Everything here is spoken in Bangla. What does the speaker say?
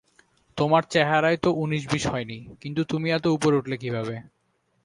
তোমার চেহারার তো ঊনিশ-বিশ হয়নি, কিন্তু তুমি এত উপরে উঠলে কীভাবে?